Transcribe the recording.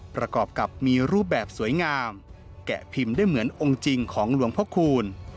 ประกอบกับมีรูปแบบสวยงามแกะพิมพ์ได้เหมือนองค์จริงของหลวงพระคูณ